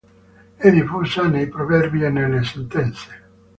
È diffusa nei proverbi e nelle sentenze.